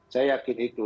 saya yakin itu